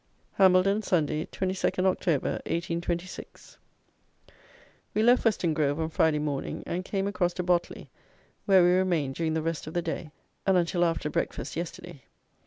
Hambledon, Sunday, 22nd Oct. 1826. We left Weston Grove on Friday morning, and came across to Botley, where we remained during the rest of the day, and until after breakfast yesterday.